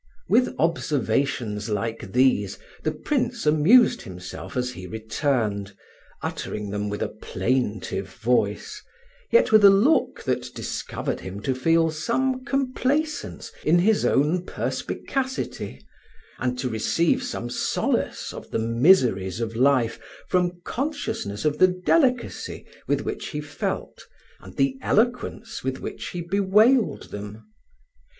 With observations like these the Prince amused himself as he returned, uttering them with a plaintive voice, yet with a look that discovered him to feel some complacence in his own perspicacity, and to receive some solace of the miseries of life from consciousness of the delicacy with which he felt and the eloquence with which he bewailed them.